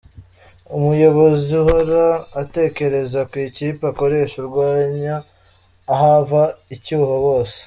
Umuyobozi ahora atekereza ku ikipe akoresha arwanya ahava icyuho bose.